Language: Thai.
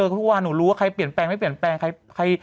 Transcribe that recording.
ก็ถูกแอเปงมาค่ะ